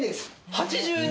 ８２！？